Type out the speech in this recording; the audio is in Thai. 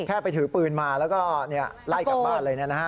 แค่ไปถือปืนมาแล้วก็ไล่กลับบ้านเลยเนี่ยนะฮะ